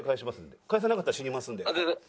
返さなかったら死にますんで。